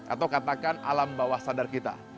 atau katakan alam bawah sadar kita